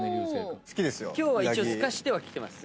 今日は一応すかしてはきてます？